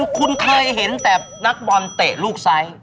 คุณเคยเห็นแต่นักบอลเตะลูกไซส์